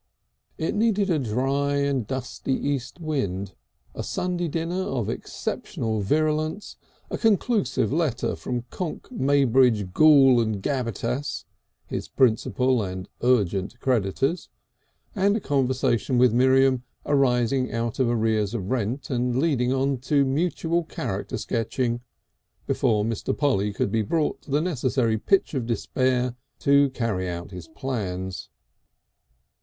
It needed a particularly dry and dusty east wind, a Sunday dinner of exceptional virulence, a conclusive letter from Konk, Maybrick, Ghool and Gabbitas, his principal and most urgent creditors, and a conversation with Miriam arising out of arrears of rent and leading on to mutual character sketching, before Mr. Polly could be brought to the necessary pitch of despair to carry out his plans.